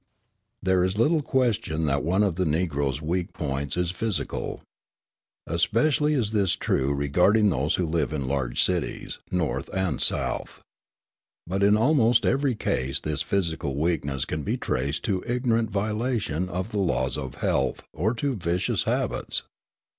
There is little question that one of the Negroes' weak points is physical. Especially is this true regarding those who live in the large cities, North and South. But in almost every case this physical weakness can be traced to ignorant violation of the laws of health or to vicious habits.